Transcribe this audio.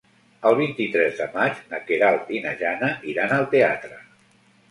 El vint-i-tres de maig na Queralt i na Jana iran al teatre.